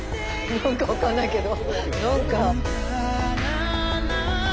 何かわかんないけど何か。